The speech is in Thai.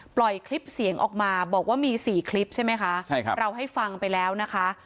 ปล่อยคลิปเสียงออกมาบอกว่ามีสี่คลิปใช่ไหมคะใช่ครับเราให้ฟังไปแล้วนะคะ